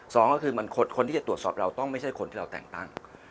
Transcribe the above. สองก็คือคนที่จะตรวจสอบเราต้องไม่ใช่คนที่เราแต่งตั้ง